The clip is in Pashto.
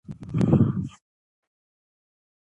پښتون ځان د غره په څیر کلک ګڼي.